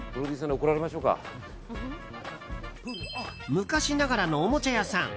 昔ながらのおもちゃ屋さん。